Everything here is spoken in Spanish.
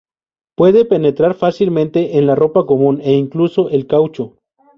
Puede penetrar fácilmente en la ropa común, e incluso el caucho.